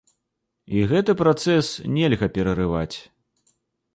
І гэты працэс нельга перарываць.